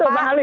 itu bang ali